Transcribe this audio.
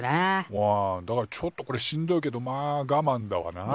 ああだからちょっとこれしんどいけどまあがまんだわな。